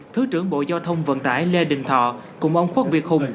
thứ trưởng bộ giao thông vận tải lê đình thọ cùng ông khuất việt hùng